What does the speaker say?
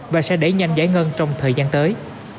và sẽ đẩy nhanh giải ngân trong thời gian tới